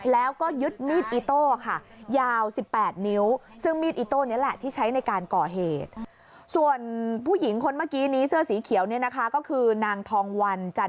แล้วก็ยึดมีดอิโต้ค่ะยาว๑๘นิ้ว